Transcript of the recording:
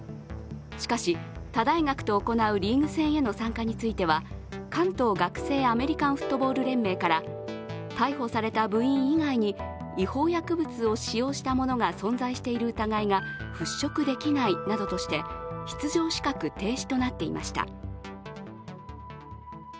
しかし、他大学と行うリーグ戦への参加については関東学生アメリカンフットボール連盟から逮捕された部員以外に違法薬物を使用したものが存在している疑いが払拭できないなどとして出場資格停止となっていました。